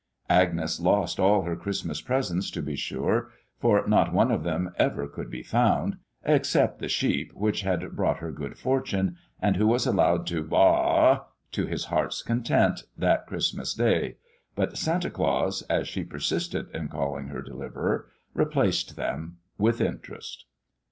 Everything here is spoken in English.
Agnes lost all her Christmas presents, to be sure, for not one of them ever could be found except the sheep which had brought her good fortune, and who was allowed to baa to his heart's content that Christmas day; but Santa Claus (as she persisted in calling her deliverer) replaced them, with interest.